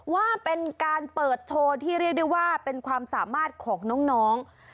ว่าเป็นการเปิดโชว์ที่เรียกได้ว่าเป็นความสามารถของน้อง